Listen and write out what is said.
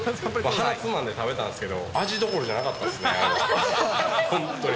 鼻つまんで食べたんですけど、味どころじゃなかったですね。